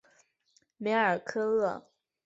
梅尔科厄。